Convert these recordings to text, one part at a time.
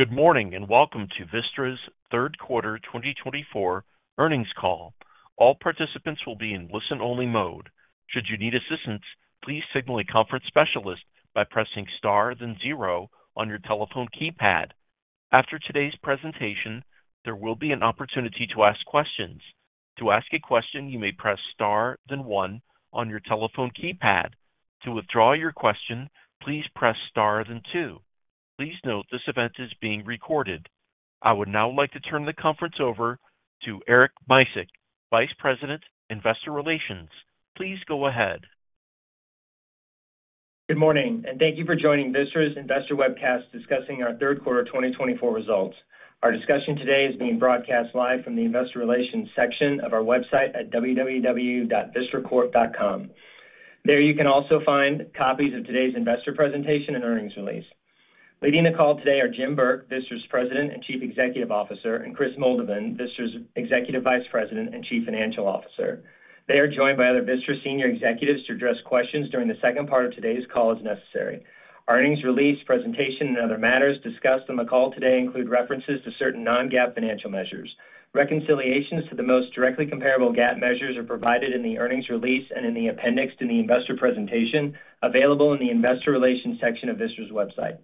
Good morning and welcome to Vistra's Q3 2024 Earnings Call. All participants will be in listen only mode. Should you need assistance, please signal a conference specialist by pressing Star then zero on your telephone keypad. After today's presentation there will be an opportunity to ask questions. To ask a question, you may press Star then one on your telephone keypad. To withdraw your question, please press Star then two. Please note this event is being recorded. I would now like to turn the conference over to Eric Micek, Vice President, Investor Relations. Please go ahead. Good morning, and thank you for joining Vistra's investor webcast discussing our Q3 2024 results. Our discussion today is being broadcast live from the Investor Relations section of our website at www.vistracorp.com. There you can also find copies of today's investor presentation and earnings release. Leading the call today are Jim Burke, Vistra's President and Chief Executive Officer, and Kris Moldovan, Vistra's Executive Vice President and Chief Financial Officer. They are joined by other Vistra senior executives to address questions during the second part of today's call as necessary. Earnings release, presentation, and other matters discussed on the call today include references to certain non-GAAP financial measures. Reconciliations to the most directly comparable GAAP measures are provided in the earnings release and in the appendix to the investor presentation available in the Investor Relations section of Vistra's website.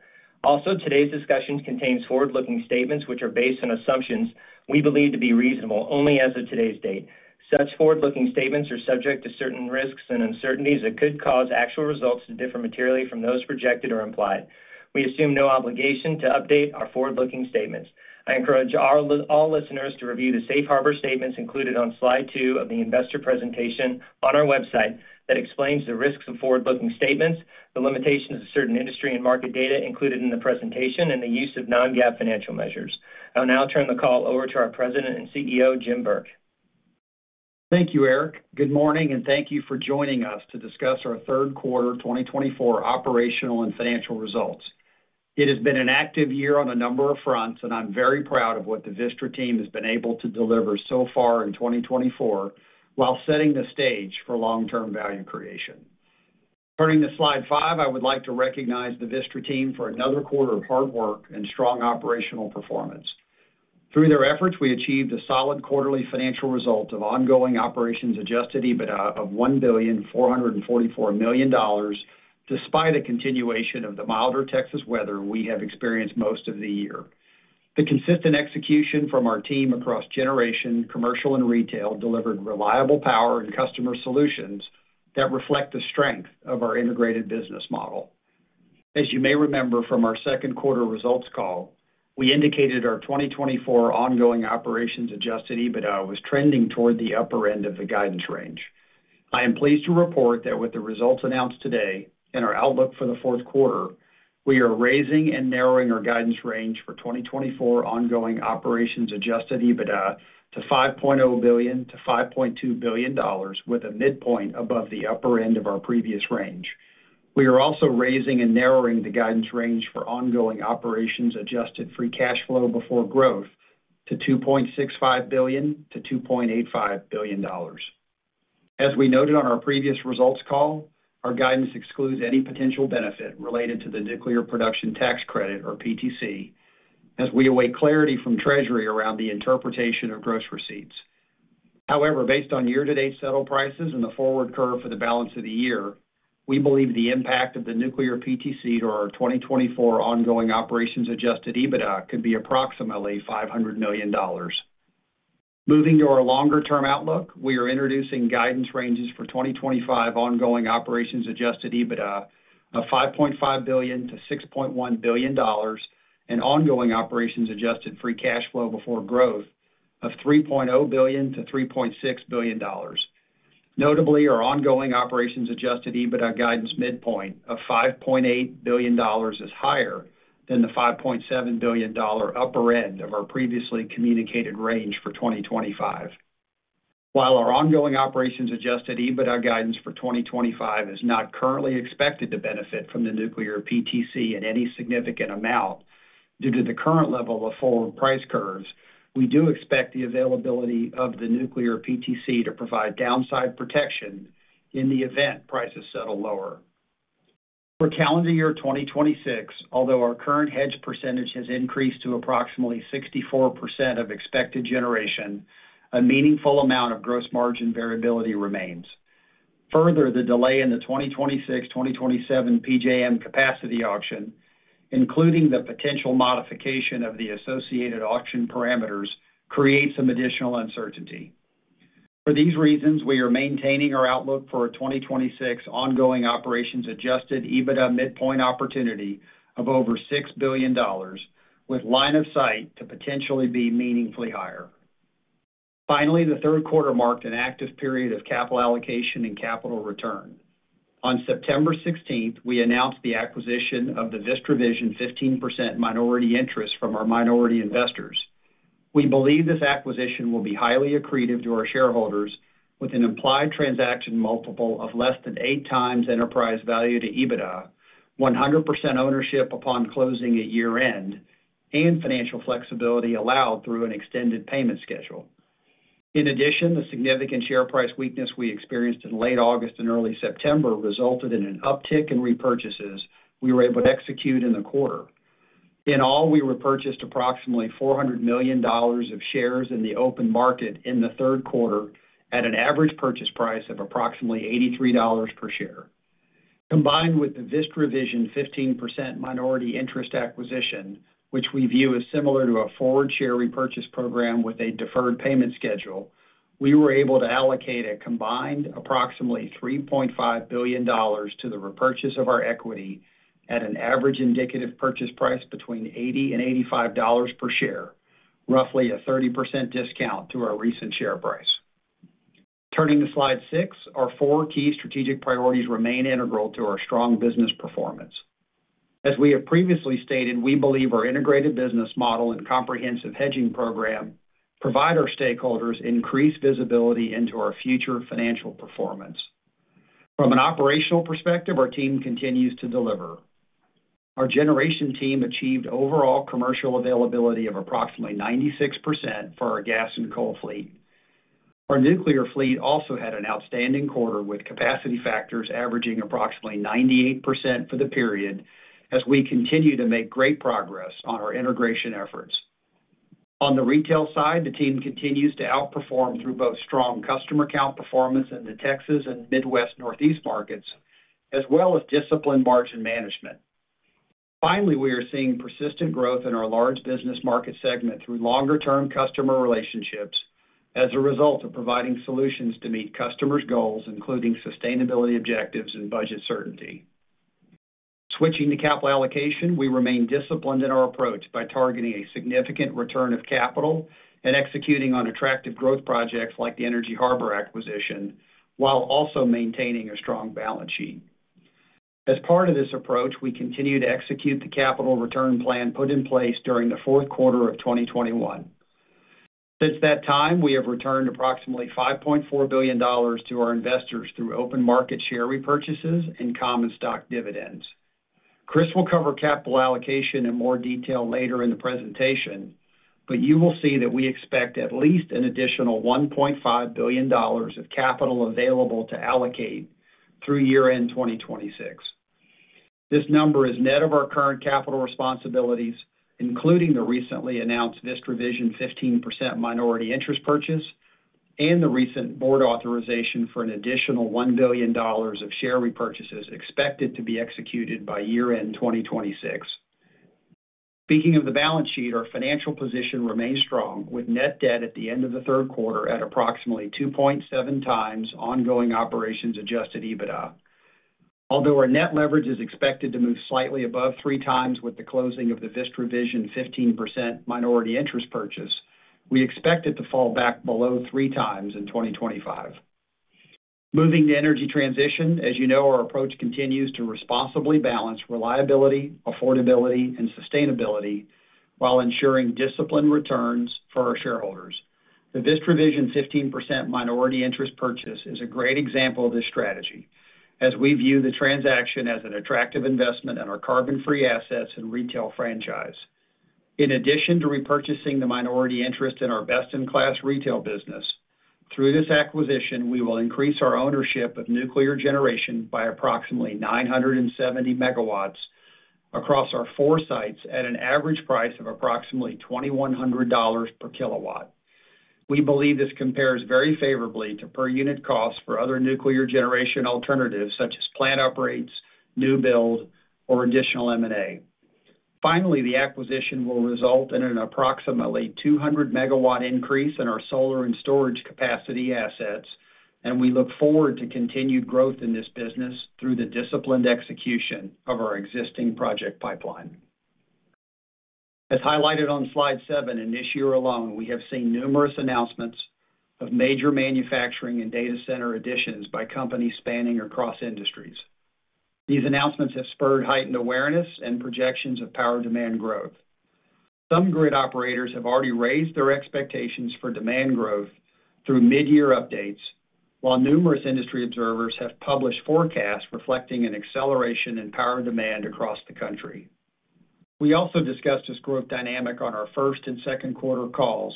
Also, today's discussion contains forward-looking statements which are based on assumptions we believe to be reasonable only as of today's date. Such forward-looking statements are subject to certain risks and uncertainties that could cause actual results to differ materially from those projected or implied. We assume no obligation to update our forward-looking statements. I encourage all listeners to review the safe harbor statements included on Slide 2 of the investor presentation on our website that explains the risks of forward-looking statements, the limitations of certain industry and market data included in the presentation and the use of non-GAAP financial measures. I'll now turn the call over to our President and CEO Jim Burke. Thank you, Eric. Good morning, and thank you for joining us to discuss our Q3 2024 operational and financial results. It has been an active year on a number of fronts, and I'm very proud of what the Vistra team has been able to deliver so far in 2024 while setting the stage for long-term value creation. Turning to Slide 5, I would like to recognize the Vistra team for another quarter of hard work and strong operational performance. Through their efforts, we achieved a solid quarterly financial result of Ongoing Operations Adjusted EBITDA of $1.444 billion. Despite a continuation of the milder Texas weather we have experienced most of the year, the consistent execution from our team across generation, commercial, and retail delivered reliable power and customer solutions that reflect the strength of our integrated business model. As you may remember from our Q2 results call, we indicated our 2024 Ongoing Operations Adjusted EBITDA was trending toward the upper end of the guidance range. I am pleased to report that with the results announced today and our outlook for the Q4, we are raising and narrowing our guidance range for 2024 Ongoing Operations Adjusted EBITDA to $5.0 to 5.2 billion with a midpoint above the upper end of our previous range. We are also raising and narrowing the guidance range for Ongoing Operations Adjusted Free Cash Flow before Growth to $2.65 to 2.85 billion. As we noted on our previous results call, our guidance excludes any potential benefit related to the Nuclear Production Tax Credit or PTC as we await clarity from Treasury around the interpretation of gross receipts. However, based on year to date settled prices in the forward curve for the balance of the year, we believe the impact of the nuclear PTC to our 2024 Ongoing Operations Adjusted EBITDA could be approximately $500 million. Moving to our longer term outlook, we are introducing guidance ranges for 2025 Ongoing Operations Adjusted EBITDA of $5.5 to 6.1 billion and Ongoing Operations Adjusted Free Cash Flow before Growth of $3.0 to 3.6 billion. Notably, our Ongoing Operations Adjusted EBITDA guidance midpoint of $5.8 billion is higher than the $5.7 billion upper end of our previously communicated range for 2025. While our Ongoing Operations Adjusted EBITDA guidance for 2025 is not currently expected to benefit from it in any significant amount due to the current level of forward price curves, we do expect the availability of the nuclear PTC to provide downside protection in the event prices settle lower for calendar year 2026. Although our current hedge percentage has increased to approximately 64% of expected generation, a meaningful amount of gross margin variability remains. Further, the delay in the 2026 to 2027 PJM capacity auction, including the potential modification of the associated auction parameters, create some additional uncertainty. For these reasons, we are maintaining our outlook for a 2026 Ongoing Operations Adjusted EBITDA midpoint opportunity of over $6 billion with line of sight to potentially be meaningfully higher. Finally, the Q3 marked an active period of capital allocation and capital returns. On 16 September, we announced the acquisition of the Vistra Vision 15% minority interest from our minority investors. We believe this acquisition will be highly accretive to our shareholders with an implied transaction multiple of less than eight times enterprise value to EBITDA, 100% ownership upon closing at year end and financial flexibility allowed through an extended payment schedule. In addition, the significant share price weakness we experienced in late August and early September resulted in an uptick in repurchases we were able to execute in the quarter. In all, we repurchased approximately $400 million of shares in the open market in the Q3 at an average purchase price of approximately $83 per share. Combined with the Vistra Vision 15% minority interest acquisition, which we view as similar to a forward share repurchase program with a deferred payment schedule, we were able to allocate a combined approximately $3.5 billion to the repurchase of our equity at an average indicative purchase price between $80 and 85 per share, roughly a 30% discount to our recent share price. Turning to Slide 6, our four key strategic priorities remain integral to our strong business performance. As we have previously stated, we believe our integrated business model and comprehensive hedging program provide our stakeholders increased visibility into our future financial performance. From an operational perspective, our team continues to deliver. Our generation team achieved overall commercial availability of approximately 96% for our gas and coal fleet. Our nuclear fleet also had an outstanding quarter with capacity factors averaging approximately 98% for the period as we continue to make great progress on our integration efforts. On the retail side, the team continues to outperform through both strong customer count performance in the Texas and Midwest Northeast markets as well as disciplined margin management. Finally, we are seeing persistent growth in our large business market segment through longer term customer relationships as a result of providing solutions to meet customers goals including sustainability objectives and budget certainty. Switching to Capital Allocation, we remain disciplined in our approach by targeting a significant return of capital and executing on attractive growth projects like the Energy Harbor acquisition while also maintaining a strong balance sheet. As part of this approach, we continue to execute the capital return plan put in place during the Q4 of 2021. Since that time, we have returned approximately $5.4 billion to our investors through open market share repurchases and common stock dividends. Kris will cover capital allocation in more detail later in the presentation, but you will see that we expect at least an additional $1.5 billion of capital available to allocate through year end 2026. This number is net of our current capital responsibilities including the recently announced Vistra Vision 15% minority interest purchase and the recent Board authorization for an additional $1 billion of share repurchases expected to be executed by year end 2026. Speaking of the balance sheet, our financial position remains strong with net debt at the end of the Q3 at approximately 2.7 times Ongoing Operations Adjusted EBITDA, although our net leverage is expected to move slightly above three times with the closing of the Vistra Vision 15% minority interest purchase, we expect it to fall back below three times in 2025. Moving to energy transition as you know, our approach continues to responsibly balance reliability, affordability and sustainability while ensuring disciplined returns for our shareholders. The Vistra Vision 15% minority interest purchase is a great example of this strategy as we view the transaction as an attractive investment in our carbon-free assets and retail franchise in addition to repurchasing the minority interest in our best-in-class retail business. Through this acquisition we will increase our ownership of nuclear generation by approximately 970 megawatts across our four sites at an average price of approximately $2,100 per kilowatt. We believe this compares very favorably to per unit costs for other nuclear generation alternatives such as plant upgrades, new build or additional M&A. Finally, the acquisition will result in an approximately 200 megawatt increase in our solar and storage capacity assets and we look forward to continued growth in this business through the disciplined execution of our existing project pipeline. As highlighted on slide 7, in this year alone we have seen numerous announcements of major manufacturing and data center additions by companies spanning across industries. These announcements have spurred heightened awareness and projections of power demand growth. Some grid operators have already raised their expectations for demand growth through mid-year updates. While numerous industry observers have published forecasts reflecting an acceleration in power demand across the country, we also discussed this growth dynamic on our first and Q2 calls,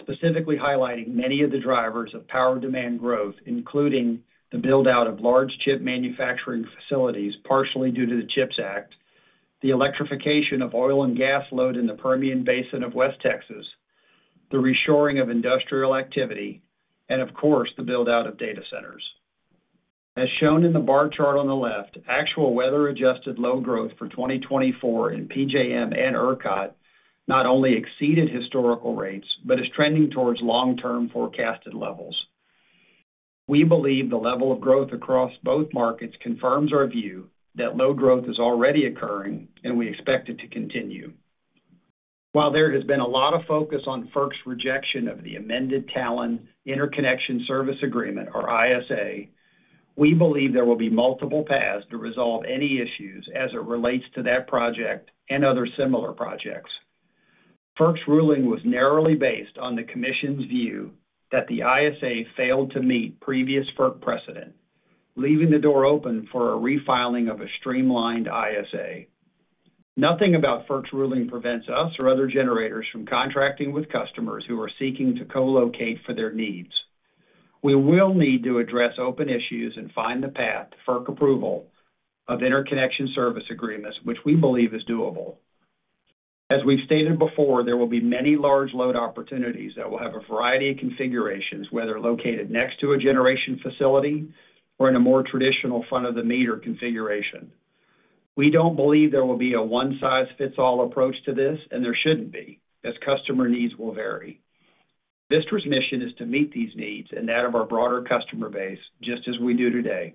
specifically highlighting many of the drivers of power demand growth including the build out of large chip manufacturing facilities partially due to the CHIPS Act, the electrification of oil and gas load in the Permian Basin of West Texas, the reshoring of industrial activity and of course the build out of data centers. As shown in the bar chart on the left, actual weather-adjusted load growth for 2024 in PJM and ERCOT not only exceeded historical rates but is trending towards long-term forecasted levels. We believe the level of growth across both markets confirms our view that load growth is already occurring and we expect it to continue. While there has been a lot of focus on FERC's rejection of the amended Talen Interconnection Service Agreement or ISA. We believe there will be multiple paths to resolve any issues as it relates to that project and other similar projects. FERC's ruling was narrowly based on the Commission's view that the ISA failed to meet previous FERC precedent, leaving the door open for a refiling of a streamlined ISA. Nothing about FERC's ruling prevents us or other generators from contracting with customers who are seeking to co-locate for their needs. We will need to address open issues and find the path to FERC approval of Interconnection Service Agreements, which we believe is doable. As we've stated before, there will be many large load opportunities that will have a variety of configurations, whether located next to a generation facility or in a more traditional front -of -the -meter configuration. We don't believe there will be a one size fits all approach to this, and there shouldn't be as customer needs will vary. Vistra's mission is to meet these needs and that of our broader customer base, just as we do today.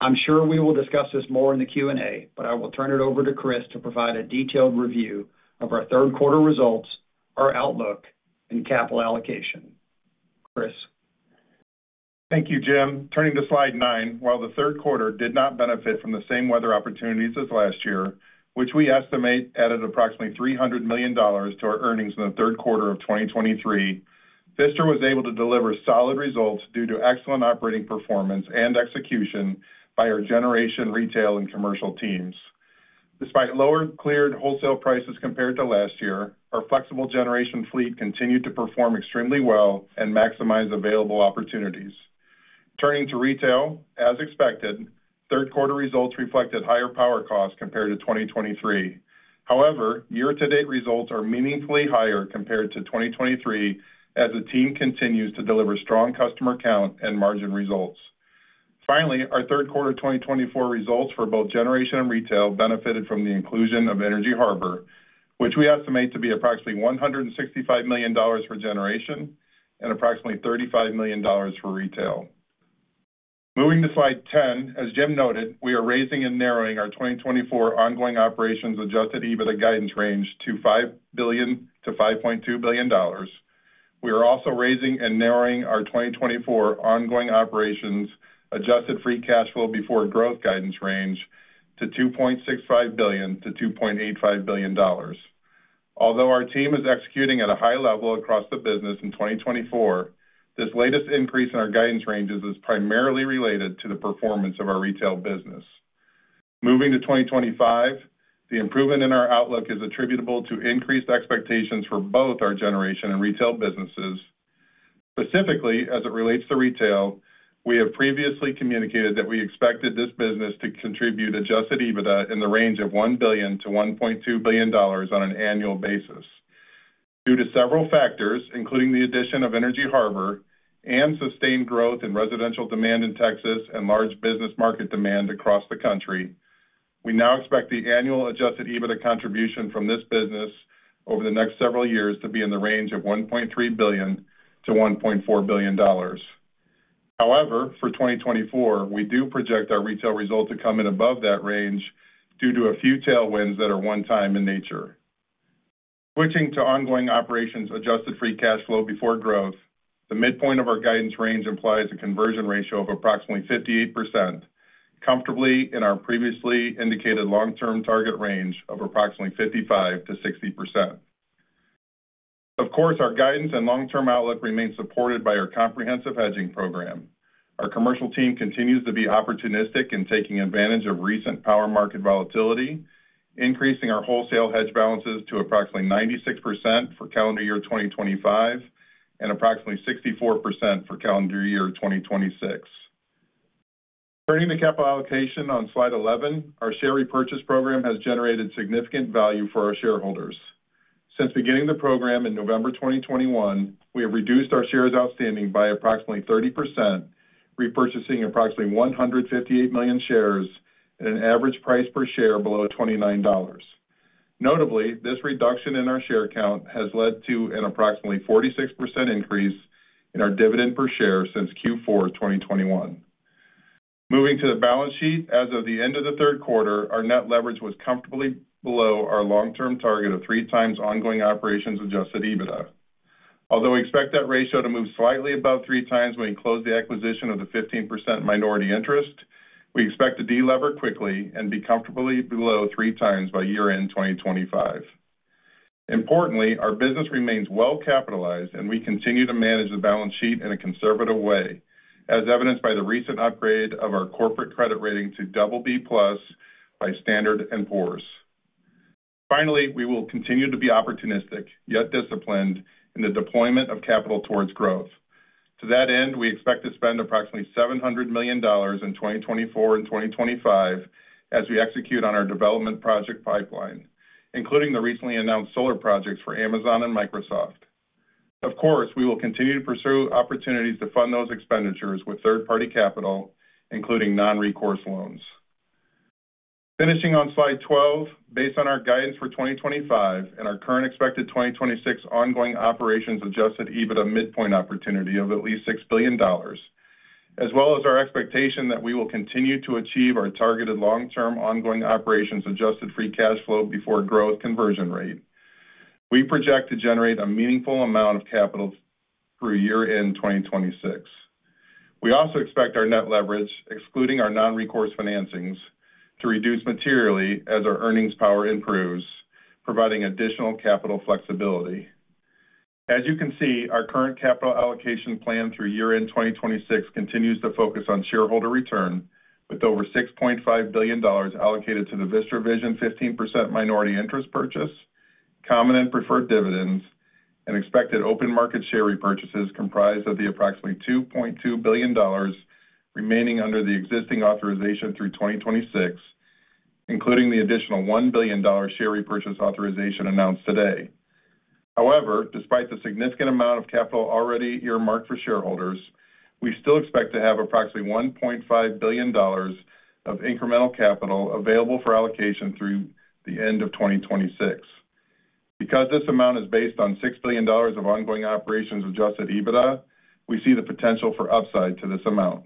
I'm sure we will discuss this more in the Q&A, but I will turn it over to Kris to provide a detailed review of our Q3 results, our outlook and capital allocation. Kris. Thank you, Jim. Turning to slide 9. While the Q3 did not benefit from the same weather opportunities as last year, which we estimate added approximately $300 million to our earnings in the Q3 of 2023, Vistra was able to deliver solid results due to excellent operating performance and execution throughout by our generation retail and commercial teams. Despite lower cleared wholesale prices compared to last year, our flexible generation fleet continued to perform extremely well and maximize available opportunities. Turning to retail, as expected, Q3 results reflected higher power costs compared to 2023. However, year to date results are meaningfully higher compared to 2023 as the team continues to deliver strong customer count and margin results. Finally, our Q3 2024 results for both generation and retail benefited from the inclusion of Energy Harbor, which we estimate to be approximately $165 million for generation and approximately $35 million for retail. Moving to Slide 10 as Jim noted, we are raising and narrowing our 2024 Ongoing Operations Adjusted EBITDA guidance range to $5 to 5.2 billion. We are also raising and narrowing our 2024 Ongoing Operations Adjusted free cash flow before growth guidance range to $2.65 to 2.85 billion. Although our team is executing at a high level across the business in 2024, this latest increase in our guidance ranges is primarily related to the performance of our retail business moving to 2025. The improvement in our outlook is attributable to increased expectations for both our generation and retail businesses. Specifically as it relates to retail, we have previously communicated that we expected this business to contribute Adjusted EBITDA in the range of $1 to 1.2 billion on an annual basis. Due to several factors including the addition of Energy Harbor and sustained growth in residential demand in Texas and large business market demand across the country, we now expect the annual Adjusted EBITDA contribution from this business over the next several years to be in the range of $1.3 to 1.4 billion. However, for 2024 we do project our retail result to come in above that range due to a few tailwinds that are one-time in nature. Switching to Ongoing Operations, Adjusted Free Cash Flow before Growth, the midpoint of our guidance range implies a conversion ratio of approximately 58% comfortably in our previously indicated long-term target range of approximately 55% to 60%. Of course, our guidance and long term outlook remains supported by our comprehensive hedging program. Our commercial team continues to be opportunistic in taking advantage of recent power market volatility, increasing our wholesale hedge balances to approximately 96% for calendar year 2025 and approximately 64% for calendar year 2026. Turning to capital allocation on Slide 11, our share repurchase program has generated significant value for our shareholders. Since beginning the program in November 2021, we have reduced our shares outstanding by approximately 30%, repurchasing approximately 158 million shares at an average price per share below $29. Notably, this reduction in our share count has led to an approximately 46% increase in our dividend per share since Q4 2021. Moving to the balance sheet as of the end of the Q3, our net leverage was comfortably below our long term target of 3 times Ongoing Operations Adjusted EBITDA. Although we expect that ratio to move slightly above three times when we close the acquisition of the 15% minority interest, we expect to deliver quickly and be comfortably below three times by year end 2025. Importantly, our business remains well capitalized and we continue to manage the balance sheet in a conservative way as evidenced by the recent upgrade of our corporate credit rating to BB+ by Standard and Poor's. Finally, we will continue to be opportunistic yet disciplined in the deployment of capital towards growth. To that end, we expect to spend approximately $700 million in 2024 and 2025 as we execute on our development project pipeline including the recently announced solar projects for Amazon and Microsoft. Of course, we will continue to pursue opportunities to fund those expenditures with third party capital including non-recourse loans finishing on Slide 12 based on our guidance for 2025 and our current expected 2026 Ongoing Operations Adjusted EBITDA midpoint opportunity of at least $6 billion, as well as our expectation that we will continue to achieve our targeted long term Ongoing Operations Adjusted Free Cash Flow before Growth Conversion Rate we project to generate a meaningful amount of capital through year end 2026. We also expect our net leverage excluding our non-recourse financings to reduce materially as our earnings power improves, providing additional capital flexibility as you can see, our current capital allocation plan through year end 2026 continues to focus on shareholder return with over $6.5 billion allocated to the Vistra Vision. 15% minority interest purchase common and preferred dividends and expected open market share repurchases comprise of the approximately $2.2 billion remaining under the existing authorization through 2026, including the additional $1 billion share repurchase authorization announced today. However, despite the significant amount of capital already earmarked for shareholders, we still expect to have approximately $1.5 billion of incremental capital available for allocation through the end of 2026. Because this amount is based on $6 billion of Ongoing Operations Adjusted EBITDA, we see the potential for upside to this amount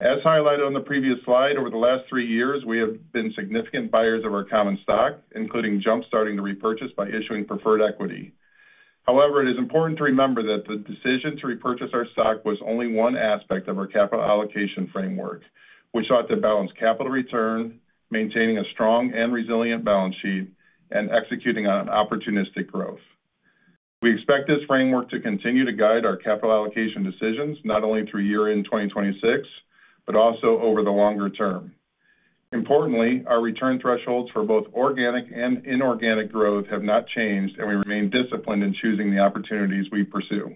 as highlighted on the previous slide. Over the last three years we have been significant buyers of our common stock, including jump starting the repurchase by issuing preferred equity. However, it is important to remember that the decision to repurchase our stock was only one aspect of our capital allocation framework. We sought to balance capital return, maintaining a strong and resilient balance sheet and executing on opportunistic growth. We expect this framework to continue to guide our capital allocation decisions not only through year end 2026 but also over the longer term. Importantly, our return thresholds for both organic and inorganic growth have not changed and we remain disciplined in choosing the opportunities we pursue.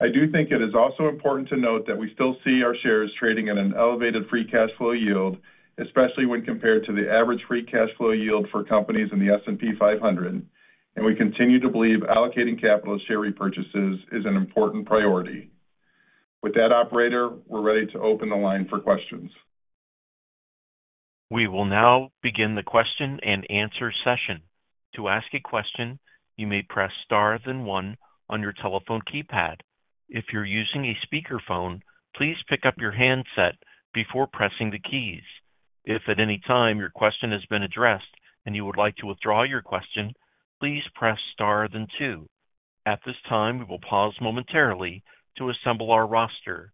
I do think it is also important to note that we still see our shares trading at an elevated free cash flow yield, especially when compared to the average free cash flow yield for companies in the S&P 500, and we continue to believe allocating capital to share repurchases is an important priority. With that operator, we're ready to open the line for questions. We will now begin the question-and-answer session. To ask a question, you may press Star then one on your telephone keypad. If you're using a speakerphone, please pick up your handset before pressing the keys. If at any time your question has been addressed and you would like to withdraw your question, please press star then two. At this time, we will pause momentarily to assemble our roster.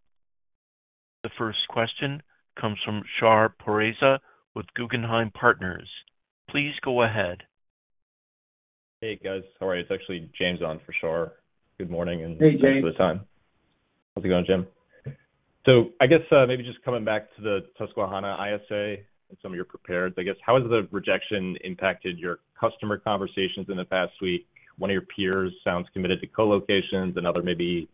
The first question comes from Shar Pourreza with Guggenheim Securities. Please go ahead. Hey guys, how are you? It's actually James on for Shar. Good morning and thanks for the time. How's it going, Jim? So I guess maybe just coming back to the Susquehanna ISA and some of your prepared, I guess, how has the rejection impacted your customer conversations in the past week? One of your peers sounds committed to co-locations, another maybe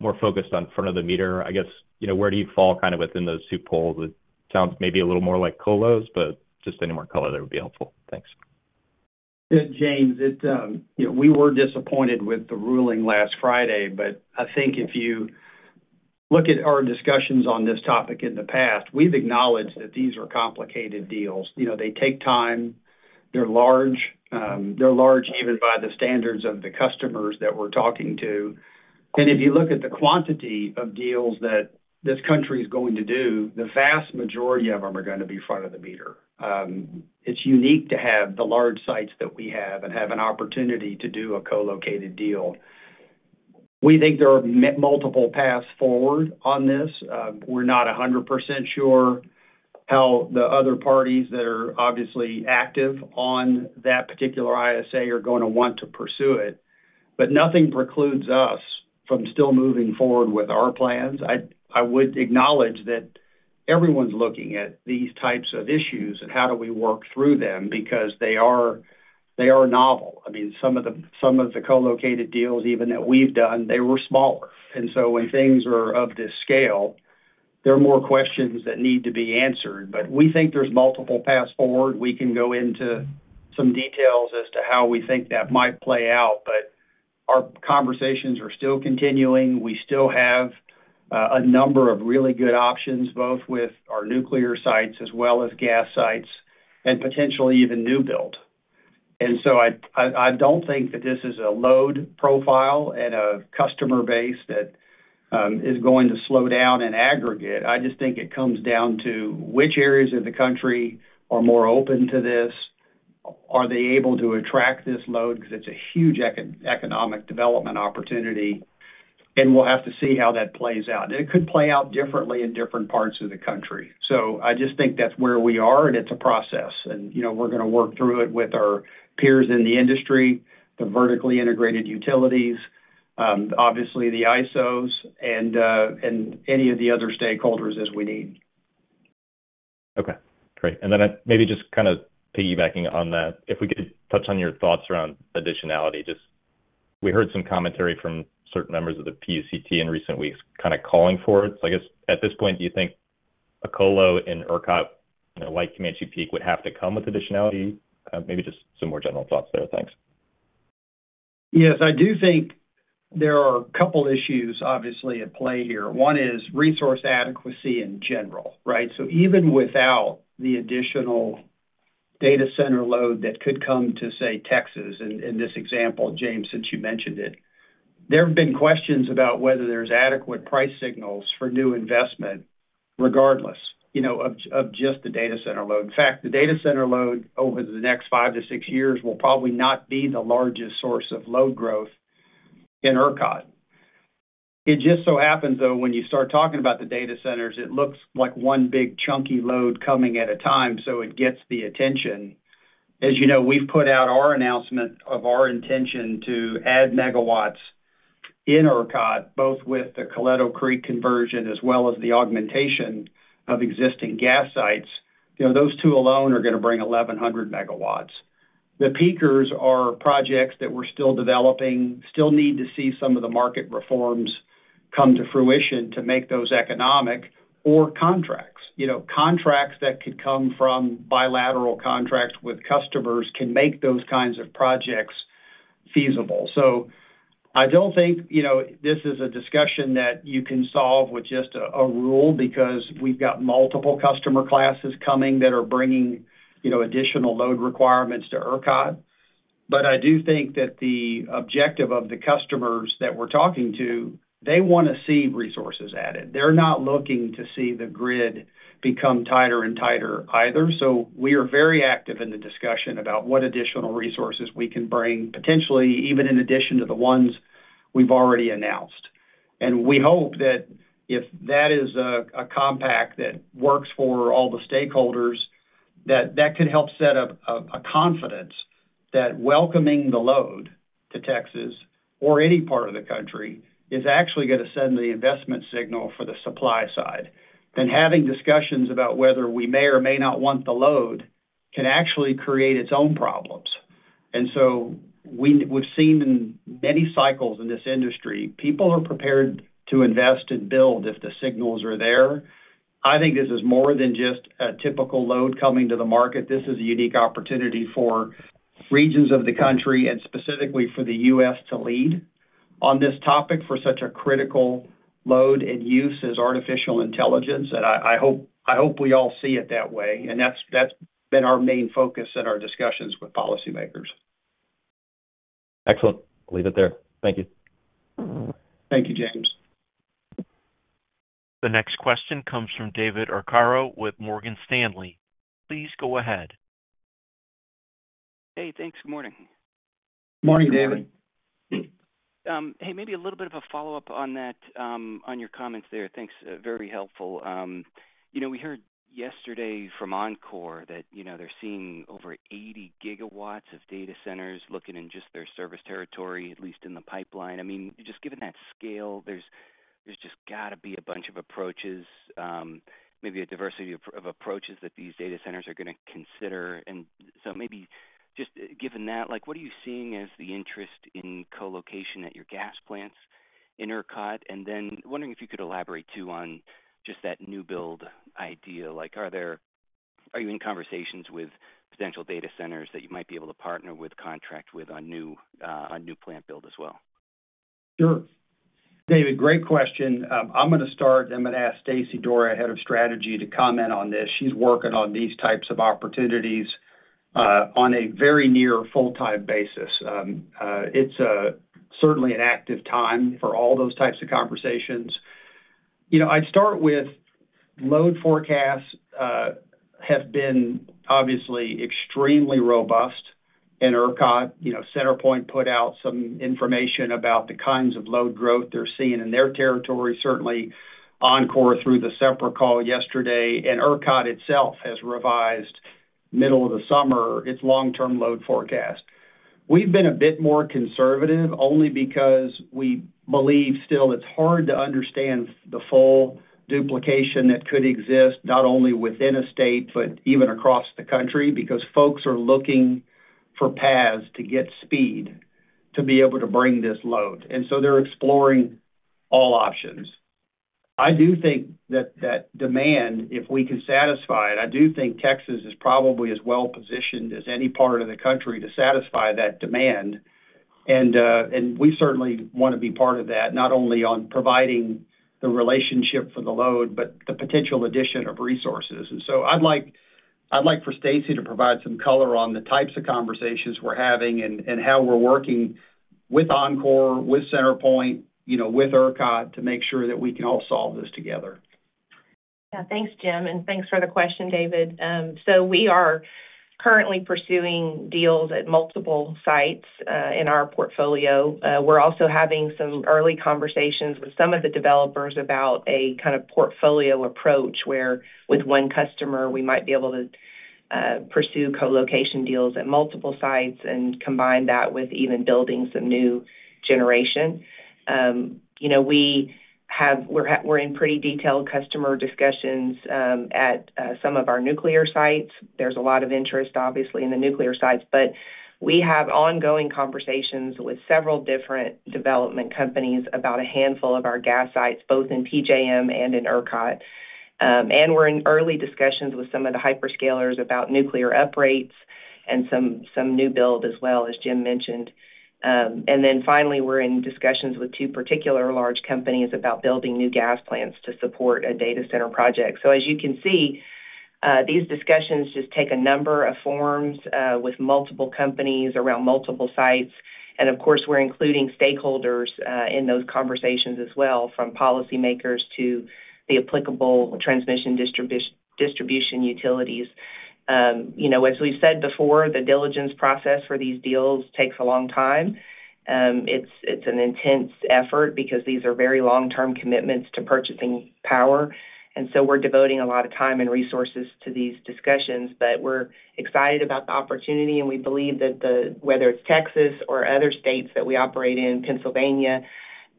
more focused on front of the meter. I guess you know, where do you fall? Kind of within those two poles. Sounds maybe a little more like colos, but just any more color there would be helpful. Thanks. James. We were disappointed with the ruling last Friday, but I think if you look at our discussions on this topic in the past we've acknowledged that these are complicated deals. You know, they take time, they're large. They're large even by the standards of the customers that we're talking to, and if you look at the quantity of deals that this country is going to do, the vast majority of them are going to be front of the meter. It's unique to have the large sites that we have and have an opportunity to do a co-located deal. We think there are multiple paths forward on this. We're not 100% sure how the other parties that are obviously active on that particular ISA are going to want to pursue it, but nothing precludes us from still moving forward with our plans. I would acknowledge that everyone's looking at these types of issues and how do we work through them because they are novel. I mean some of the co-located deals even that we've done, they were smaller. And so when things are of this scale there are more questions that need to be answered. But we think there's multiple paths forward. We can go into some details as to how we think that might play out, but our conversations are still continuing. We still have a number of really good options, both with our nuclear sites as well as gas sites and potentially even new build. And so I don't think that this is a load profile and a customer base that is going to slow down in aggregate. I just think it comes down to which areas of the country are more open to this. Are they able to attract this load because it's a huge economic development opportunity and we'll have to see how that plays out? It could play out differently in different parts of the country. So I just think that's where we are and it's a process and, you know, we're going to work through it with our peers in the industry, the vertically integrated utilities, obviously the ISOs, and any of the other stakeholders as we need. Okay, great. And then maybe just kind of piggybacking on that. If we could touch on your thoughts around additionality. Just we heard some commentary from certain members of the PUCT in recent weeks kind of calling for it, I guess, at this point. Do you think a colo in ERCOT, like Comanche Peak, would have to come with additionality? Maybe just some more general thoughts there. Thanks. Yes, I do think there are a couple issues obviously at play here. One is resource adequacy in general. Right. So even without the additional data center load that could come to, say, Texas in this example. James, since you mentioned it, there have been questions about whether there's adequate price signals for new investment. Regardless, you know, of just the data center load. In fact, the data center load over the next five to six years will probably not be the largest source of load growth in ERCOT. It just so happens, though, when you start talking about the data centers, it looks like one big chunky load coming at a time. So it gets the attention. As you know, we've put out our announcement of our intention to add megawatts in ERCOT, both with the Coleto Creek conversion as well as the augmentation of existing gas sites. You know, those two alone are going to bring 1,100 megawatts. The peakers are projects that we're still developing, still need to see some of the market reforms come to fruition to make those economic or contracts, you know, contracts that could come from bilateral contracts with customers can make those kinds of projects feasible, so I don't think, you know, this is a discussion that you can solve with just a rule because we've got multiple customer classes coming that are bringing, you know, additional load requirements to ERCOT, but I do think that the objective of the customers that we're talking to, they want to see resources added. They're not looking to see the grid become tighter and tighter either, so we are very active in the discussion about what additional resources we can bring, potentially even in addition to the ones we've already announced. And we hope that if that is a compact that works for all the stakeholders, that that could help set up a confidence that welcoming the load to Texas or any part of the country is actually going to send the investment signal for the supply side, and having discussions about whether we may or may not want the load can actually create its own problems. And so we've seen in many cycles in this industry people are prepared to invest and build if the signals are there. I think this is more than just a typical load coming to the market. This is a unique opportunity for regions of the country and specifically for the US to lead on this topic for such a critical load and use as artificial intelligence. And I hope, I hope we all see it that way. And that's been our main focus in our discussions with policymakers. Excellent. Leave it there. Thank you. Thank you, James. The next question comes from David Arcaro with Morgan Stanley. Please go ahead. Hey, thanks. Good morning. Morning, David. Hey, maybe a little bit of a follow up on that on your comments there. Thanks, very helpful. You know, we heard yesterday from Encore that, you know, they're seeing over 80 gigawatts of data centers looking in just their service territory, at least in the pipeline. I mean, just given that scale, there's just got to be a bunch of approaches, maybe a diversity of approaches that these data centers are going to consider. And so maybe just given that, like what are you seeing as the interest in colocation at your gas plants and then wondering if you could elaborate too on just that new build idea. Like, are you in conversations with potential data centers that you might be able to partner with contract with on new plant build as well? Sure, David, great question. I'm going to start, I'm going to ask Stacey Doré, head of strategy to comment on this. She's working on these types of opportunities on a very near full time basis. It's certainly an active time for all those types of conversations. You know, I'd start with load forecasts have been obviously extremely robust and ERCOT, you know, CenterPoint put out some information about the kinds of load growth they're seeing in their territory. Certainly Oncor through the separate call yesterday and ERCOT itself has revised middle of the summer its long term load forecast. We've been a bit more conservative only because we believe still it's hard to understand the full duplication that could exist not only within a state, but even across the country because folks are looking for paths to get speed to be able to bring this load. And so they're exploring all options. I do think that demand, if we can satisfy it, I do think Texas is probably as well positioned as any part of the country to satisfy that demand. And we certainly want to be part of that, not only on providing the relationship for the load, but the potential addition of resources. And so I'd like for Stacey to provide some color on the types of conversations we're having and how we're working with Oncor, with CenterPoint, you know, with ERCOT to make sure that we can all solve this together. Thanks, Jim. And thanks for the question, David. So we are currently pursuing deals at multiple sites in our portfolio, having some early conversations with some of the developers about a kind of portfolio approach where with one customer we might be able to pursue colocation deals at multiple sites and combine that with even building some new generation. You know, we have, we're in pretty detailed customer discussions at some of our nuclear sites. There's a lot of interest obviously in the nuclear sites, but we have ongoing conversations with several different development companies about a handful of our gas sites, both in PJM and in ERCOT. And we're in early discussions with some of the hyperscalers about nuclear upgrades and some new build as well as Jim mentioned. And then finally we're in discussions with two particular large companies about building new gas plants to support a data center project. So as you can see, these discussions just take a number of forms with multiple companies around multiple sites. And of course we're including stakeholders in those conversations as well, from policymakers to the applicable transmission, distribution, utilities. You know, as we've said before, the diligence process for these deals takes a long time. It's an intense effort because these are very long term commitments to purchasing power. And so we're devoting a lot of time and resources to these discussions. But we're excited about the opportunity and we believe that the, whether it's Texas or other states that we operate in, Pennsylvania,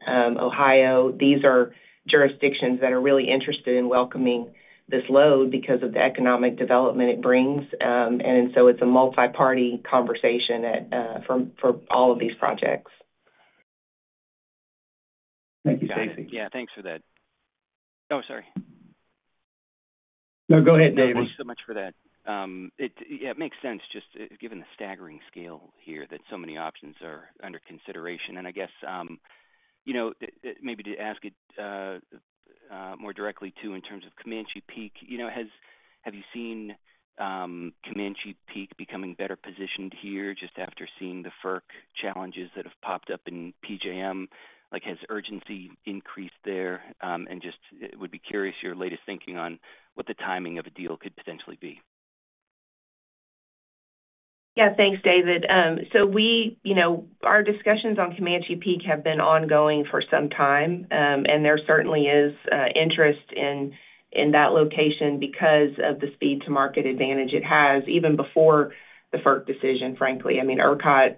Ohio, these are jurisdictions that are really interested in welcoming this load because of the economic development it brings. And so it's a multi-party conversation for all of these projects. Thank you, Stacey. Yeah, thanks for that. Oh, sorry. No, go ahead, David. Thank you so much for that. It makes sense just given the staggering scale here that so many options are under consideration. And I guess, you know, maybe to ask it more directly too in terms of Comanche Peak, you know, have you seen Comanche Peak becoming better positioned here just after seeing the FERC challenges that have popped up in PJM. Like has urgency increased there? And just would be curious your latest thinking on what the timing of a deal could potentially be. Yeah, thanks, David. So we, you know, our discussions on Comanche Peak have been ongoing for some time and there certainly is interest in that location because of the speed to market advantage it has, even before the FERC decision, frankly. I mean, ERCOT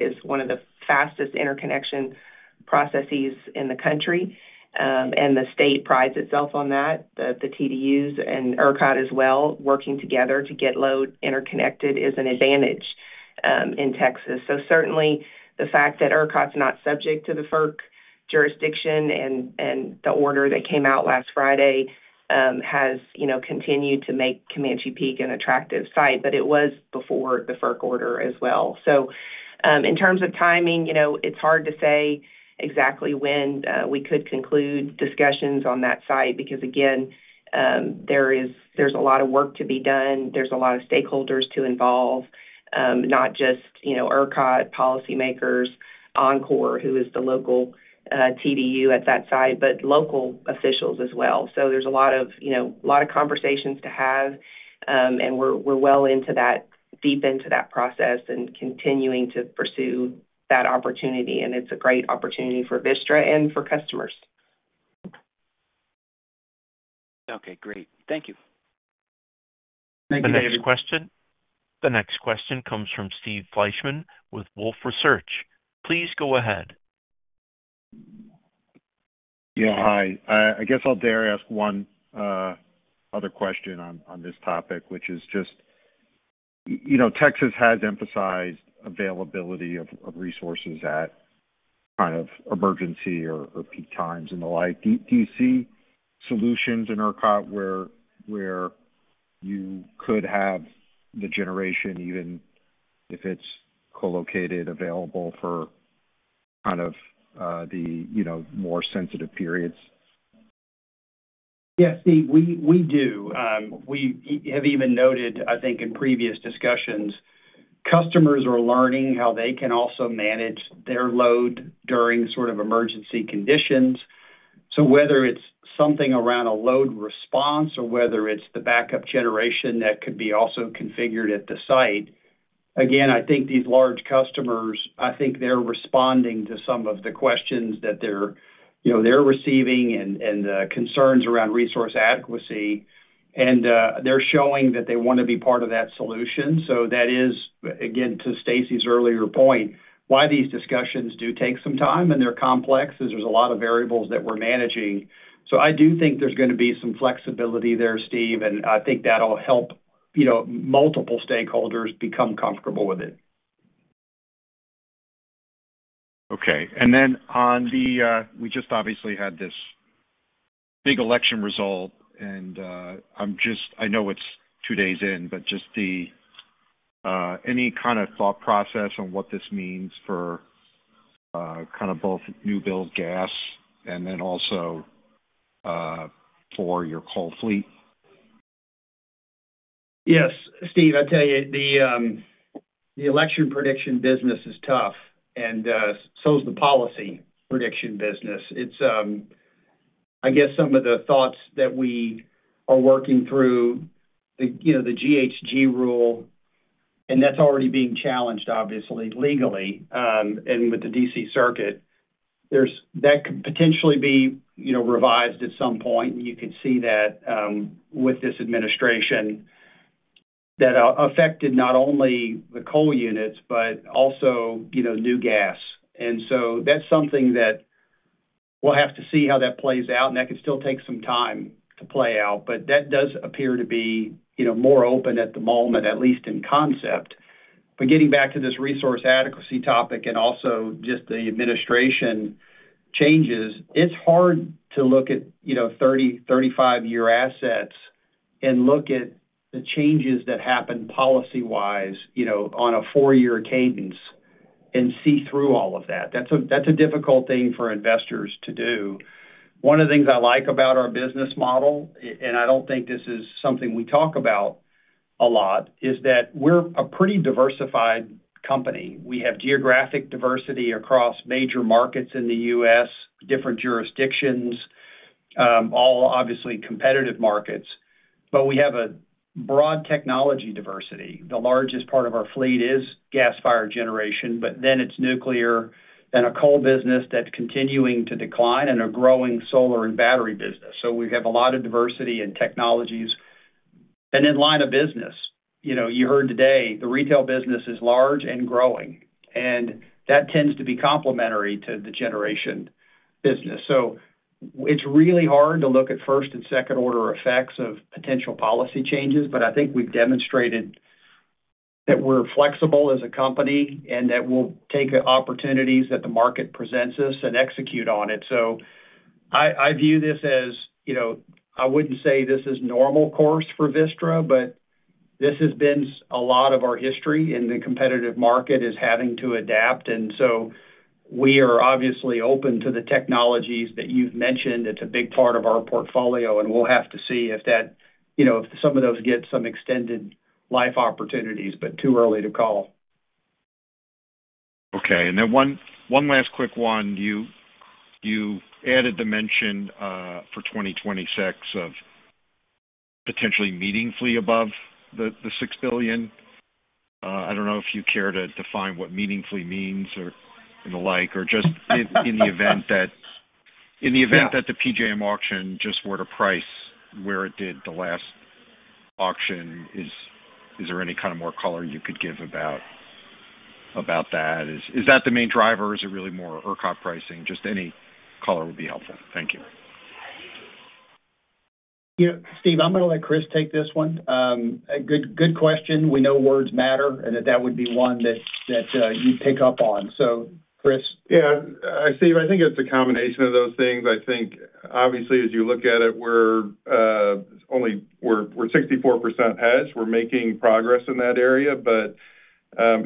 is one of the fastest interconnection processes in the country and the state prides itself on that. The TDUs and ERCOT as well, working together to get load interconnected is an advantage in Texas. So certainly the fact that ERCOT's not subject to the FERC jurisdiction and the order that came out last Friday has continued to make Comanche Peak an attractive site, but it was before the FERC order as well. In terms of timing, it's hard to say exactly when we could conclude discussions on that site because again, there's a lot of work to be done, there's a lot of stakeholders to involve, not just, you know, ERCOT policymakers, Oncor, who is the local TDU at that site, but local officials as well. There's a lot of, you know, a lot of conversations to have and we're well into that, deep into that process and continuing to pursue that opportunity, and it's a great opportunity for Vistra and for customers. Okay, great, thank you. The next question comes from Steve Fleishman with Wolfe Research. Please go ahead. Yeah, hi. I guess I'll dare ask one other question on this topic, which is just, you know, Texas has emphasized availability of resources at kind of emergency or peak times and the like. Do you see solutions in ERCOT where you could have the generation even if it's co-located available for kind of the, you know, more sensitive periods? Yes, Steve, we do. We have even noted, I think in previous discussions, customers are learning how they can also manage their load during sort of emergency conditions. So whether it's something around a load response or whether it's the backup generation that could be also configured at the site. Again, I think these large customers, I think they're responding to some of the questions that they're, you know, they're receiving and concerns around resource adequacy and they're showing that they want to be part of that solution. So that is, again, to Stacey's earlier point, why these discussions do take some time and they're complex, is there's a lot of variables that we're managing. So I do think there's going to be some flexibility there, Steve, and I think that'll help, you know, multiple stakeholders become comfortable with it. Okay. And then on the, we just obviously had this big election result and I'm just, I know it's two days in, but just the, any kind of thought process on what this means for kind of both new build gas and then also for your coal fleet? Yes, Steve, I tell you the election prediction business is tough and so is the policy prediction business. It's, I guess, some of the thoughts that we are working through, you know, the GHG rule and that's already being challenged obviously legally and with the DC circuit that could potentially be, you know, revised at some point. You could see that with this administration that affected not only the coal units but also, you know, new gas, and so that's something that we'll have to see how that plays out. That could still take some time to play out, but that does appear to be, you know, more open at the moment, at least in concept. But getting back to this resource adequacy topic and also just the administration changes, it's hard to look at 30, 35 year assets and look at the changes that happen policy-wise on a four year cadence and see through all of that. That's a difficult thing for investors to do. One of the things I like about our business model, and I don't think this is something we talk about a lot, is that we're a pretty diversified company. We have geographic diversity across major markets in the US different jurisdictions, all obviously competitive markets. But we have a broad technology diversity. The largest part of our fleet is gas-fired generation, but then it's nuclear and a coal business that's continuing to decline and a growing solar and battery business. So we have a lot of diversity in technologies and in line of business. You know, you heard today the retail business is large and growing and that tends to be complementary to the generation business. So it's really hard to look at first and second order effects of potential policy changes. But I think we've demonstrated that we're flexible as a company and that we'll take opportunities that the market presents us and execute on it. So I view this as, you know, I wouldn't say this is normal course for Vistra, but this has been a lot of our history in the competitive market is having to adapt and so we are obviously open to the technologies that you've mentioned. It's a big part of our portfolio and we'll have to see if that, you know, if some of those get some extended life opportunities, but too early to call. Okay, and then one last quick one. You added the mention for 2026 of potentially meaningfully above the $6 billion. I don't know if you care to define what meaningfully means or the like or just in the event that the PJM auction just were to price where it did the last auction is there any kind of more color you could give about that. Is that the main driver? Is it really more ERCOT pricing? Just any color will be helpful. Thank you. Steve. I'm going to let Kris take this one. Good question. We know words matter and that that would be one that you pick up on. So, Chris. Yeah, Steve, I think it's a combination of those things. I think obviously, as you look at it, we're only, we're 64% hedged. We're making progress in that area. But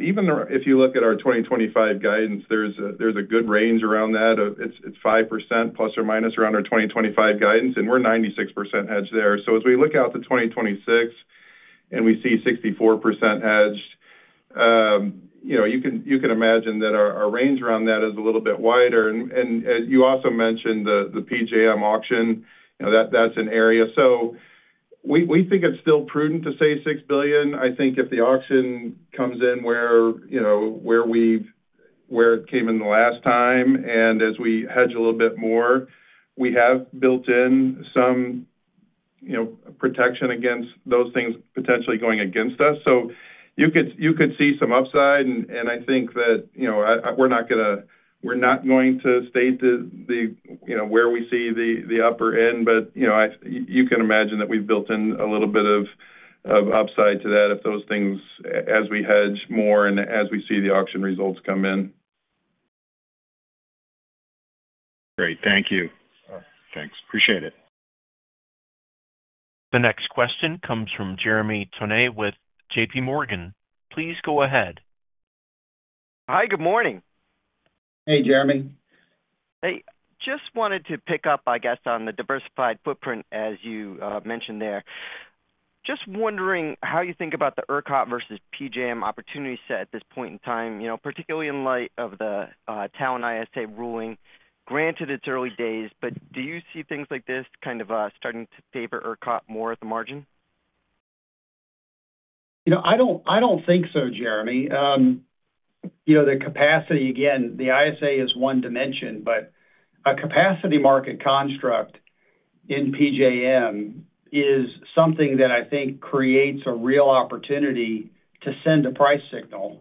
even if you look at our 2025 guidance, there's a good range around that. It's 5% plus or minus around our 2025 guidance and we're 96% hedge there. So as we look out to 2026 and we see 64% hedged, you know, you can imagine that our range around that is a little bit wider. And you also mentioned the PJM auction. That's an area. So we think it's still prudent to say $6 billion. I think if the auction comes in where we, where it came in the last time. And as we hedge a little bit more, we have built in some, you know, protection against those things potentially going against us. You could see some upside. And I think that, you know, we're not going to state, you know, where we see the upper end. But, you know, you can imagine that we've built in a little bit of upside to that if those things, as we hedge more and as we see the auction results come in. Great, thank you. Thanks, appreciate it. The next question comes from Jeremy Tonet with J.P. Morgan. Please go ahead. Hi, good morning. Hey, Jeremy. Hey. Just wanted to pick up, I guess on the diversified footprint, as you mentioned there. Just wondering how you think about the ERCOT versus PJM opportunity set at this point in time, particularly in light of the Talen ISA ruling. Granted, it's early days, but do you see things like this kind of starting to favor or cut more at the margin? You know, I don't think so, Jeremy. You know, the capacity, again, the ISA is one dimension, but a capacity market construct in PJM is something that I think creates a real opportunity to send a price signal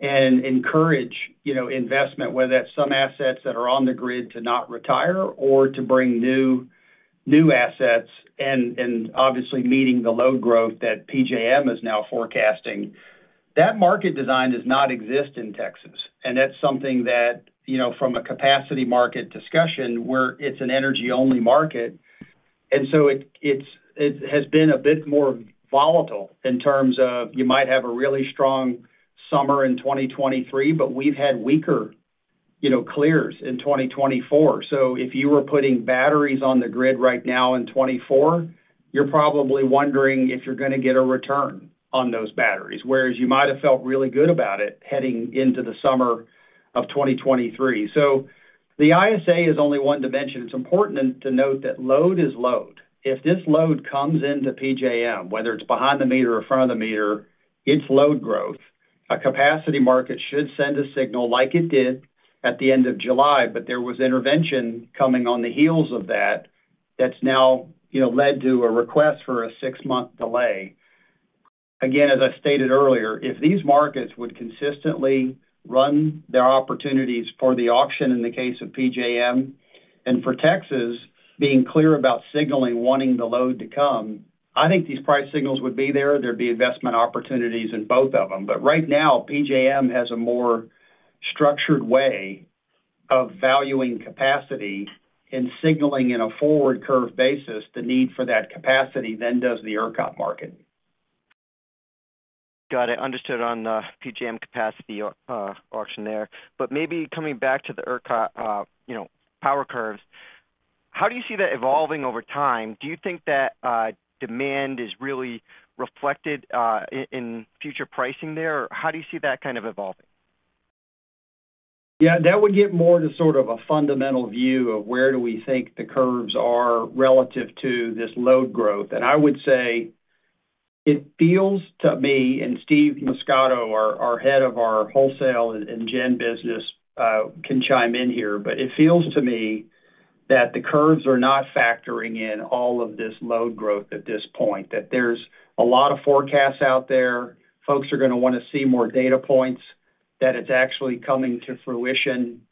and encourage investment, whether that's some assets that are on the grid to not retire or to bring new assets, and obviously meeting the load growth that PJM is now forecasting, that market design does not exist in Texas, and that's something that from a capacity market discussion where it's an energy only market, and so it's, it has been a bit more volatile in terms of you might have a really strong summer in 2023, but we've had weaker, you know, clears in 2024. So if you were putting batteries on the grid right now in 2024, you're probably wondering if you're going to get a return on those batteries, whereas you might have felt really good about it heading into the summer of 2023. So the ISA is only one dimension. It's important to note that load is load. If this load comes into PJM, whether it's behind the meter or front of the meter, it's load growth. A capacity market should send a signal like it did at the end of July, but there was intervention coming on the heels of that. That's now, you know, led to a request for a six month delay. Again, as I stated earlier, if these markets would consistently run their opportunities for the auction, in the case of PJM and for Texas being clear about signaling, wanting the load to come, I think these price signals would be there. There'd be investment opportunities in both of them. But right now PJM has a more structured way of valuing capacity and signaling in a forward curve basis the need for that capacity than does the ERCOT market. Got it, understood on PJM capacity auction there. But maybe coming back to the ERCOT, you know, power curves, how do you see that evolving over time? Do you think that demand is really reflected in future pricing there? How do you see that kind of evolving? Yeah, that would get more to sort of a fundamental view of where do we think the curves are relative to this load growth. And I would say it feels to me, and Steve Muscato, our head of our wholesale and gen business, can chime in here, but it feels to me that the curves are not factoring in all of this load growth at this point. That there's a lot of forecasts out there. Folks are going to want to see more data points that it's actually coming to fruition.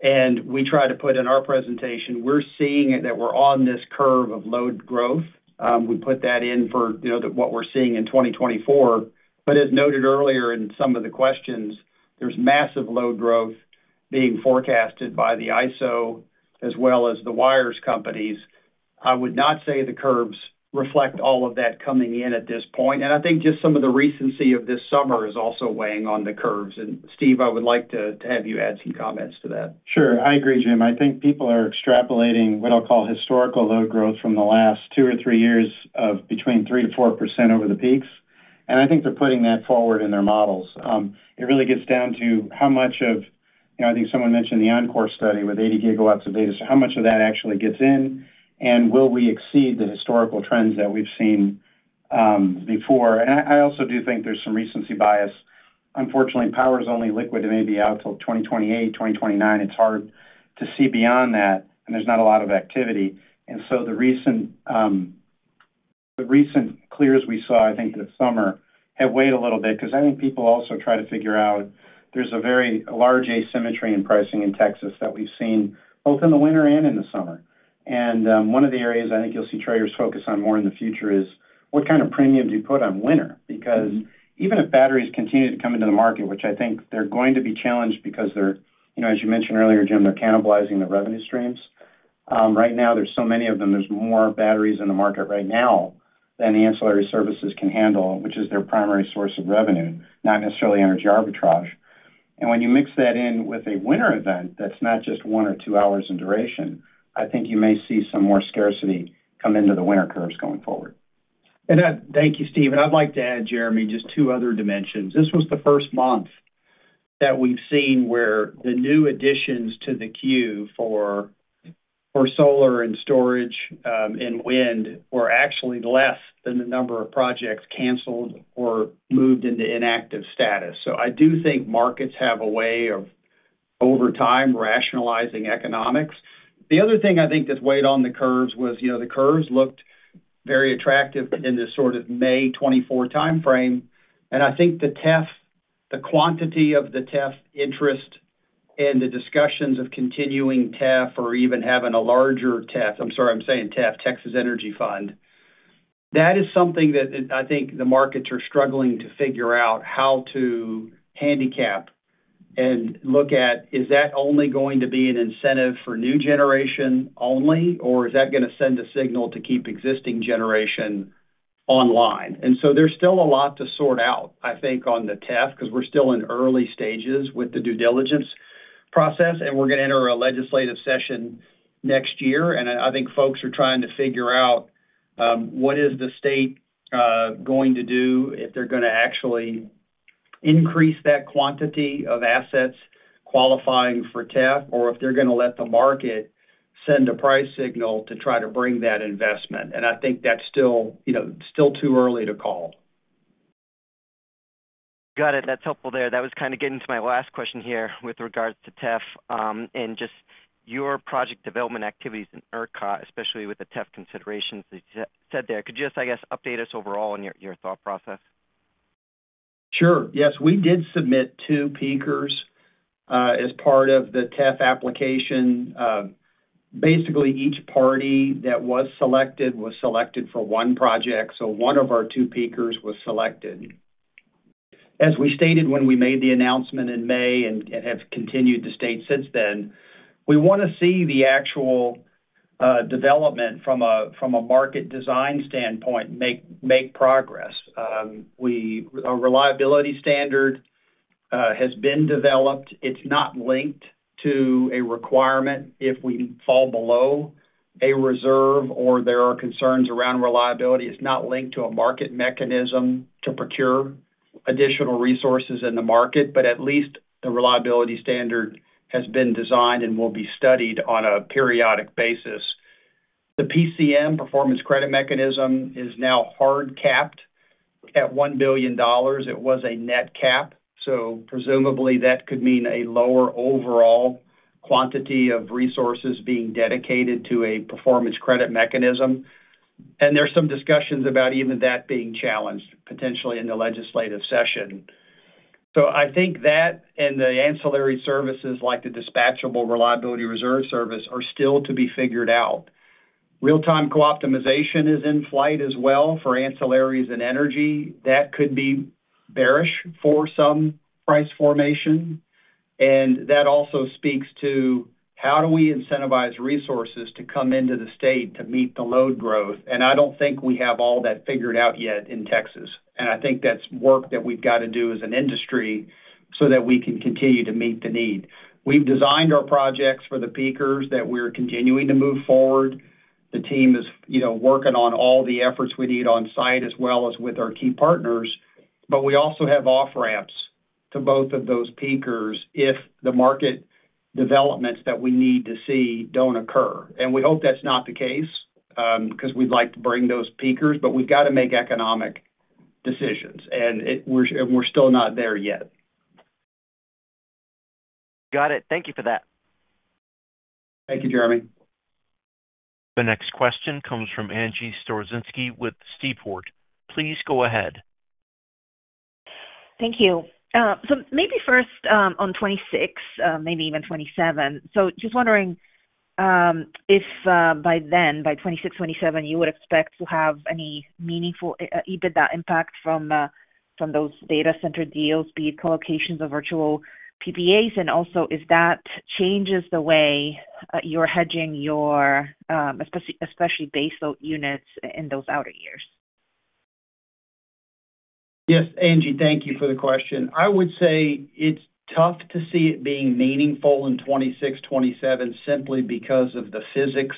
And we try to put in our presentation. We're seeing that we're on this curve of load growth. We put that in for what we're seeing in 2024. But as noted earlier in some of the questions, there's massive load growth being forecasted by the ISO as well as the wires companies. I would not say the curves reflect all of that coming in at this point, and I think just some of the recency of this summer is also weighing on the curves. And Steve, I would like to have you add some comments to that. Sure, I agree, Jim. I think people are extrapolating what I'll call historical load growth from the last two or three years of between 3%-4% over the peaks, and I think they're putting that forward in their models. It really gets down to how much of, you know, I think someone mentioned the ERCOT study with 80 gigawatts of data, so how much of that actually gets in and will we exceed the historical trends that we've seen before? And I also do think there's some recency bias, unfortunately, power is only liquid and maybe out till 2028, 2029. It's hard to see beyond that. And there's not a lot of activity. And so the recent clears we saw, I think this summer have weighed a little bit because I think people also try to figure out there's a very large asymmetry in pricing in Texas that we've seen both in the winter and in the summer. And one of the areas I think you'll see traders focus on more in the future is what kind of premium do you put on winter. Because even if batteries continue to come into the market, which I think they're going to be challenged because they're, you know, as you mentioned earlier, Jim, they're cannibalizing the revenue streams right now. There's so many of them. There's more batteries in the market right now than ancillary services can handle, which is their primary source of revenue, not necessarily energy arbitrage. When you mix that in with a winter event, that's not just one or two hours in duration. I think you may see some more scarcity come into the winter curves going forward. Thank you, Steve. I'd like to add, Jeremy, just two other dimensions. This was the first month that we've seen where the new additions to the queue for solar and storage and wind were actually less than the number of projects canceled or moved into inactive status. So I do think markets have a way of over time rationalizing economics. The other thing I think that's weighed on the curves was, you know, the curves looked very attractive in this sort of 24 May timeframe. I think the TEF, the quantity of the TEF interest and the discussions of continuing TEF or even having a larger TEF. I'm sorry. I'm saying TEF, Texas Energy Fund. That is something that I think the markets are struggling to figure out how to handicap and look at. Is that only going to be an incentive for new generation only or is that going to send a signal to keep existing generation online, and so there's still a lot to sort out, I think, on the TEF, because we're still in early stages with the due diligence process and we're going to enter a legislative session next year, and I think folks are trying to figure out what is the state going to do if they're going to actually increase that quantity of assets qualifying for TEF or if they're going to let the market send a price signal to try to bring that investment, and I think that's still, you know, still too early to call. Got it. That's helpful there. That was kind of getting to my last question here with regards to TEF and just your project development activities in ERCOT, especially with the TEF considerations that you said there could just, I guess, update us overall on your thought process. Sure. Yes, we did submit two peakers as part of the TEF application. Basically each party that was selected was selected for one project, so one of our two peakers was selected, as we stated when we made the announcement in May and have continued to state since then. We want to see the actual development from a market design standpoint make progress. A reliability standard has been developed. It's not linked to a requirement if we fall below a reserve or there are concerns around reliability. It's not linked to a market mechanism to procure additional resources in the market, but at least the reliability standard has been designed and will be studied on a periodic basis. The PCM Performance Credit Mechanism is now hard capped at $1 billion. It was a net cap. Presumably that could mean a lower overall quantity of resources being dedicated to a Performance Credit Mechanism. There's some discussions about even that being challenged potentially in the legislative session. I think that and the ancillary services like the Dispatchable Reliability Reserve Service are still to be figured out. Real -Time Co- optimization is in flight as well for ancillaries and energy that could be bearish for some price formation. That also speaks to how do we incentivize resources to come into the state to meet the load growth. I don't think we have all that figured out yet in Texas. I think that's work that we've got to do as an industry so that we can continue to meet the need. We've designed our projects for the peakers that we're continuing to move forward. The team is working on all the efforts we need on site as well as with our key partners, but we also have off ramps to both of those peakers if the market developments that we need to see don't occur, and we hope that's not the case because we'd like to bring those peakers, but we've got to make economic decisions and we're still not there yet. Got it. Thank you for that. Thank you, Jeremy. The next question comes from Angie Storozynski with Seaport. Please go ahead. Thank you. So maybe first on 2026, maybe even 2027. So just wondering if by then, by 2026-2027 you would expect to have any meaningful EBITDA impact from those data center deals, be it co-locations or virtual PPAs and also if that changes the way you're hedging your, especially baseload units in those outer years. Yes, Angie, thank you for the question. I would say it's tough to see it being meaningful in 2026, 2027 simply because of the physics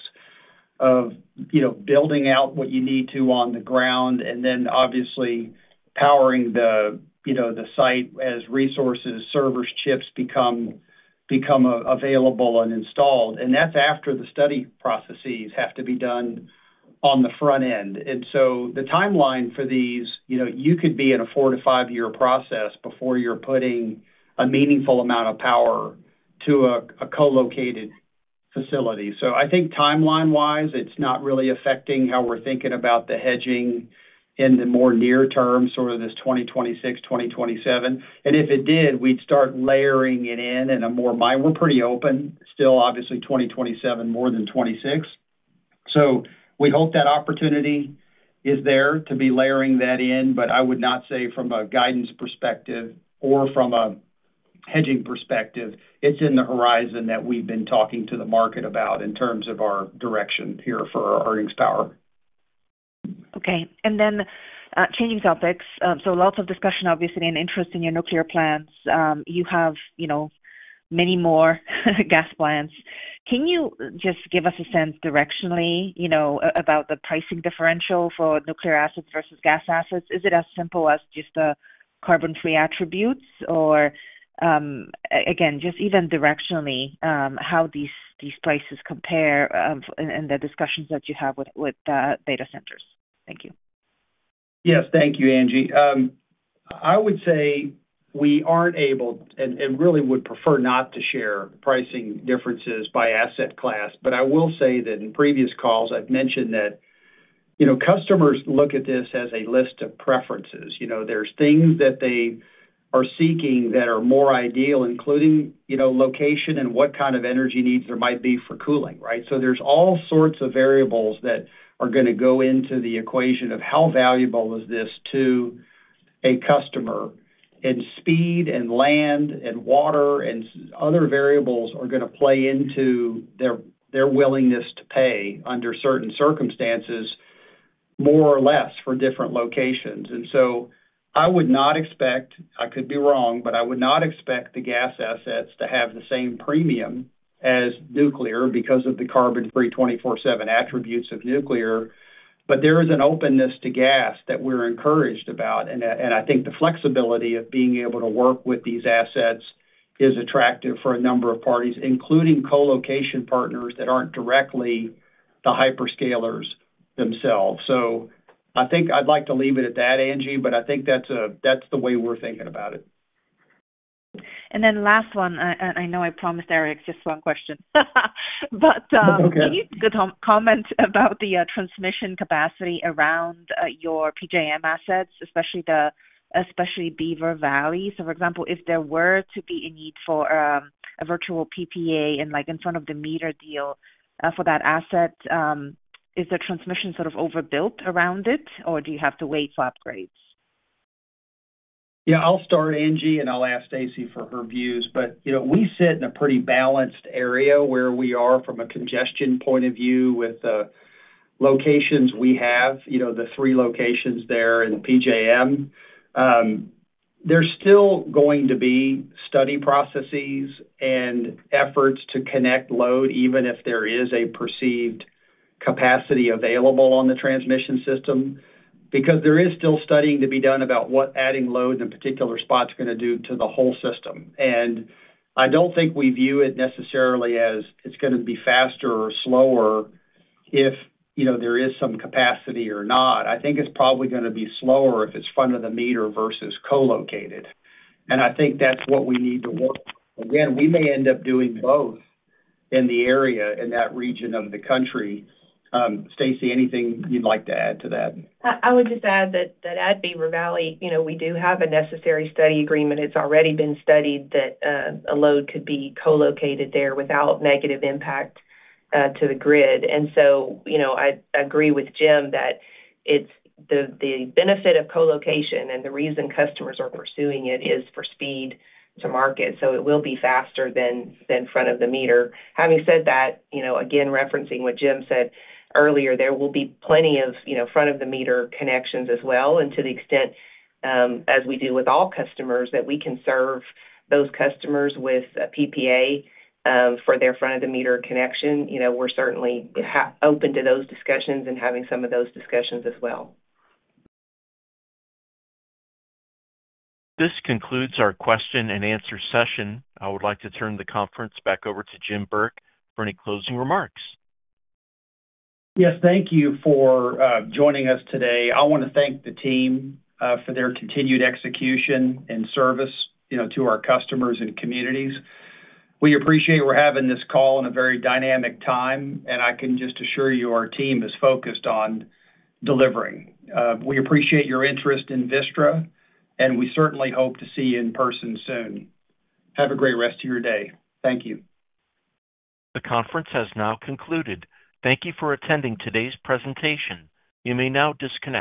of, you know, building out what you need to on the ground and then obviously powering the, you know, the site as resources, servers, chips become available and installed. And that's after the study processes have to be done on the front end. And so the timeline for these, you know, you could be in a four- to five-year process before you're putting a meaningful amount of power to a co-located facility. So I think timeline-wise it's not really affecting how we're thinking about the hedging in the more near-term sort of this 2026, 2027 and if it did we'd start layering it in and moreover we're pretty open still obviously 2027, more than 2026. So we hope that opportunity is there to be layering that in. But I would not say from a guidance perspective or from a hedging perspective, it's on the horizon that we've been talking to the market about in terms of our direction here for earnings power. Okay. And then changing topics. So lots of discussion obviously and interest in your nuclear plants. You have, you know, many more gas plants. Can you just give us a sense directionally about the pricing differential for nuclear assets versus gas assets? Is it as simple as just the carbon free attributes or again just even directionally how these places compare and the discussions that you have with data centers? Thank you. Yes, thank you, Angie. I would say we aren't able and really would prefer not to share pricing differences by asset class. But I will say that in previous calls I've mentioned that, you know, customers look at this as a list of preferences. You know, there's things that they are seeking that are more ideal, including, you know, location and what kind of energy needs there might be for cooling. Right. So there's all sorts of variables that are going to go into the equation of how valuable is this to a customer and speed and land and water and other variables are going to play into their willingness to pay under certain circumstances, more or less for different locations. And so I would not expect, I could be wrong, but I would not expect the gas assets to have the same premium as nuclear because of the carbon-free 24/7 attributes of nuclear. But there is an openness to gas that we're encouraged about and I think the flexibility of being able to work with these assets is attractive for a number of parties, including co-location partners that aren't directly the hyperscalers themselves. So I think I'd like to leave it at that, Angie, but I think that's the way we're thinking about it. Then the last one, I know I promised Eric just one question, but can you comment about the transmission capacity around your PJM assets, especially Beaver Valley? So for example, if there were to be a need for a virtual PPA and like a front-of-the-meter deal for that asset, is the transmission sort of overbuilt around it or do you have to wait for upgrades? Yeah, I'll start, Angie, and I'll ask Stacey for her views. But you know, we sit in a pretty balanced area where we are from a congestion point of view with locations we have. You know, the three locations there in the PJM. There's still going to be study processes and efforts to connect load even if there is a perceived capacity available on the transmission system because there is still studying to be done about what adding load in particular spots are going to do to the whole system. And I don't think we view it necessarily as it's going to be faster or slower if you know there is some capacity or not. I think it's probably going to be slower if it's front of the meter versus co-located and I think that's what we need to work again, we may end up doing both in the area in that region of the country. Stacey, anything you'd like to add to that? I would just add that at Beaver Valley we do have a necessary study agreement. It's already been studied that a load could be co-located there without negative impacts to the grid. And so you know, I agree with Jim that it's the benefit of co-location and the reason customers are pursuing it is for speed to market. So it will be faster than front of the meter. Having said that, you know, again, referencing what Jim said earlier, there will be plenty of, you know, front of the meter connections as well. And to the extent as we do with all customers that we can serve those customers with PPA for their front of the meter connection, you know, we're certainly open to those discussions and having some of those discussions as well. This concludes our question-and-answer session. I would like to turn the conference back over to Jim Burke for any closing remarks. Yes. Thank you for joining us today. I want to thank the team for their continued execution and service, you know, to our customers and communities. We appreciate we're having this call in a very dynamic time and I can just assure you our team is focused on delivering. We appreciate your interest in Vistra and we certainly hope to see you in person soon. Have a great rest of your day. Thank you. The conference has now concluded. Thank you for attending today's presentation. You may now disconnect.